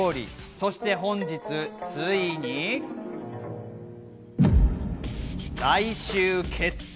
そして本日、ついに最終決戦。